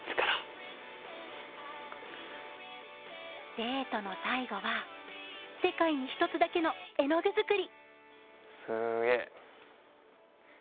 デートの最後は世界に一つだけの絵の具作り。